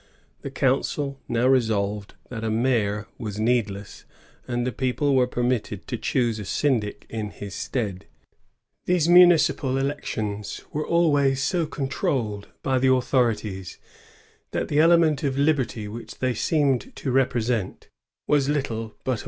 The council now resolved that a mayor was needless, and the people were permitted to choose a syndic in his stead. These municipal elections were always so controlled by the authorities that the element of liberty which they seemed to represent was little but 1 Declaration du Sieur de Mizy, 10 Mars, 1064.